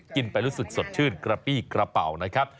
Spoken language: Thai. กินไปรู้สึกสดชื่นกระปี้กระเป๋านะครับ